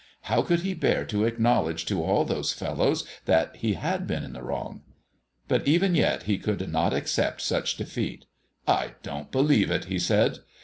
How could he bear to acknowledge to all those fellows that he had been in the wrong? But even yet he could not accept such defeat. "I don't believe it," he said.